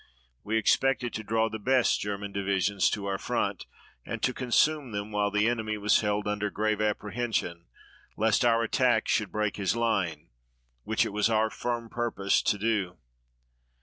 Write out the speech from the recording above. We expected to draw the best German divisions to our front and to consume them while the enemy was held under grave apprehension lest our attack should break his line, which it was our firm purpose to do."